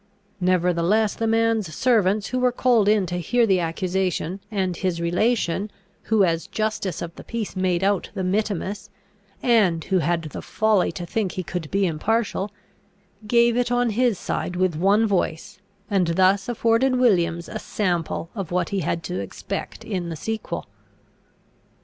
Nevertheless the man's servants who were called in to hear the accusation, and his relation, who as justice of the peace made out the mittimus, and who had the folly to think he could be impartial, gave it on his side with one voice, and thus afforded Williams a sample of what he had to expect in the sequel.